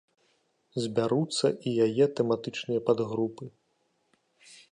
Збяруцца і яе тэматычныя падгрупы.